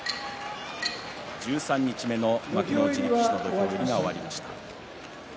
十三日目の幕内力士の土俵入りが終わりました。